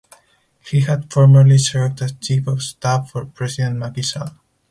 He had formerly served as Chief of Staff for President Macky Sall.